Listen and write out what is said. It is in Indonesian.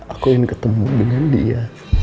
aku ingin ketemu dengan dia